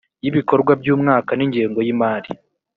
y ibikorwa by umwaka n ingengo y imari